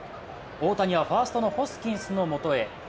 大谷はファーストのホスキンスのもとへ。